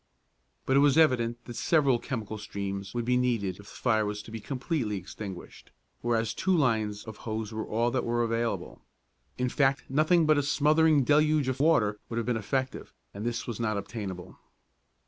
But it was evident that several chemical streams would be needed if the fire was to be completely extinguished, whereas two lines of hose were all that were available. In fact nothing but a smothering deluge of water would have been effective, and this was not obtainable.